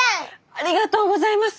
ありがとうございます。